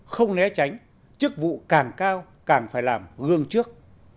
không né tránh chức vụ càng cao càng phải làm gương trước